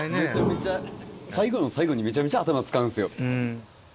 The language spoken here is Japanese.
最後の最後にめちゃめちゃ頭使うんですよ。